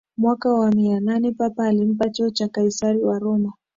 Mwaka wa mia nane papa alimpa cheo cha Kaisari wa Roma